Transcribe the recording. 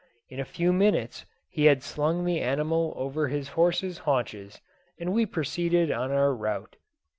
In a few minutes he had slung the animal over his horse's haunches, and we proceeded on our route.